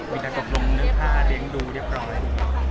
มีค่ะก็พร้อมนึกค่าเรียนดูเรียบร้อย